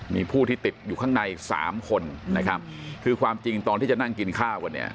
มีผู้ที่ติดอยู่ข้างในสามคนนะครับคือความจริงตอนที่จะนั่งกินข้าวกันเนี่ย